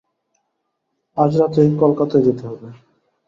আজ রাত্রে কলকাতায় যেতে হবে।